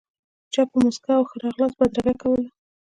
چا په موسکا او ښه راغلاست بدرګه کولو.